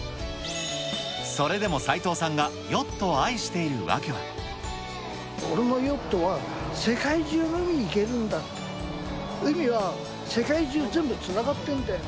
それでも斉藤さんがヨットを俺のヨットは、世界中の海に行けるんだって、海は世界中全部、つながってんだよ。